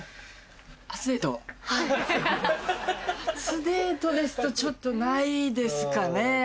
初デートですとちょっとないですかね。